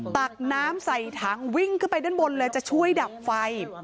ตักน้ำใส่ถังวิ่งขึ้นไปด้านบนเลยจะช่วยดับไฟ